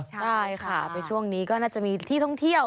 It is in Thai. ใช่ค่ะไปช่วงนี้ก็น่าจะมีที่ท่องเที่ยว